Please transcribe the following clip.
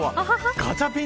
ガチャピン。